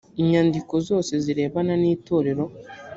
inyandiko zose zirebana n itorero